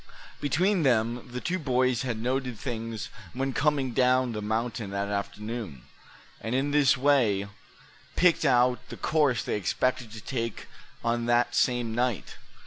Between them the two boys had noted things when coming down the mountain that afternoon, and in this way picked out the course they expected to take on that same night.